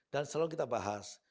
dan selalu kita bahas